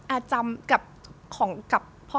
แอร์จำกับพ่อ